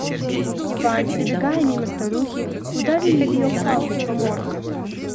Иван, пробегая мимо старухи, ударил её палкой по морде.